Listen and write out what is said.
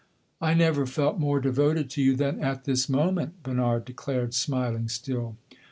"I never felt more devoted to you than at this moment!" Bernard declared, smiling still.